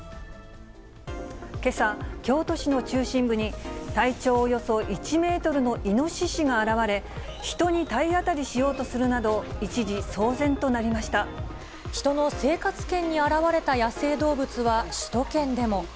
けさ、京都市の中心部に、体長およそ１メートルのイノシシが現れ、人に体当たりしようとす人の生活圏に現れた野生動物は首都圏でも。